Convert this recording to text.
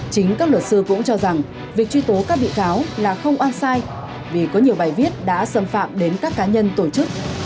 chính các luật sư cũng cho rằng việc truy tố các bị cáo là không oan sai vì có nhiều bài viết đã xâm phạm đến các cá nhân tổ chức